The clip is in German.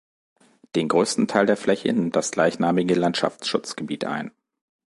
Den größten Teil der Fläche nimmt das gleichnamige Landschaftsschutzgebiet ein.